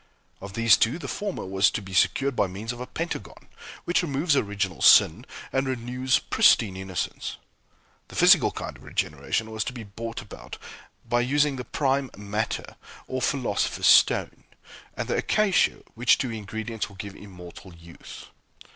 Of these two the former was to be secured by means of a Pentagon, which removes original sin and renews pristine innocence. The physical kind of regeneration was to be brought about by using the "prime matter" or philosopher's stone, and the "Acacia," which two ingredients will give immortal youth.